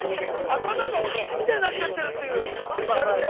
頭がお尻みたいになっちゃってるっていう、割れて。